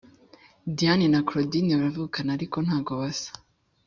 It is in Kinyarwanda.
Diane na cloudine baravukana ariko ntago basa